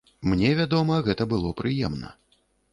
Мне, вядома, гэта было прыемна.